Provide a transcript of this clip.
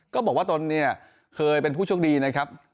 ก็บอกว่าตนเคยเป็นผู้ช่วงดีนะครับ